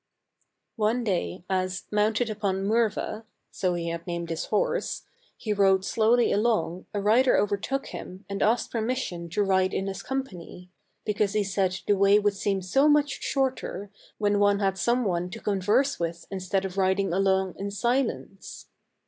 One day as, mounted upon Murva (so he had named his horse), he rode slowly along a rider overtook him and asked permission to ride in his company, because he said the way would seem so much shorter when one had some one to con verse with instead of riding along in silence.